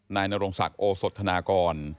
นายนรงศักดิ์โอสธนากร